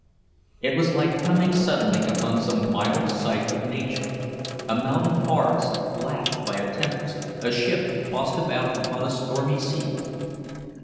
It was like coming suddenly upon some wild sight of nature—a mountain forest lashed by a tempest, a ship tossed about upon a stormy sea.